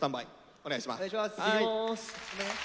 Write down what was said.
お願いします。